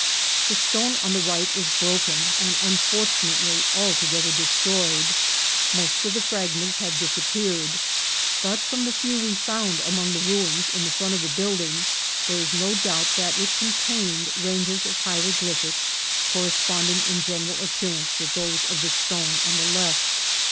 The stone on the right is broken, and, unfortunately, altogether destroyed ; most of the fragments have dis appeared ; but, from the few we found among the ruins in the front of the building, there is no doubt that it contained ranges of hieroglyphics corresponding in gen eral appearance with those of the stone on the left.